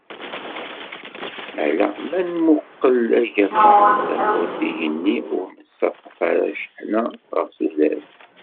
Ala ma nmuqel agama, tamurt, igenni ur nettaṭaf ara cceḥna ɣef tudert.